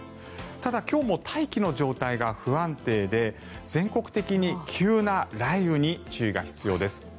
ただ今日も大気の状態が不安定で全国的に急な雷雨に注意が必要です。